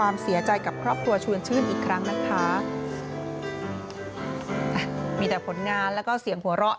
มีแต่ผลงานแล้วก็เสียงหัวเราะ